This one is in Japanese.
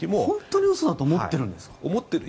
本当に嘘だと思っているんですか？